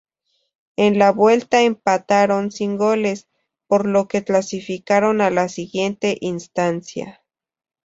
En la vuelta empataron sin goles, por lo que clasificaron a la siguiente instancia.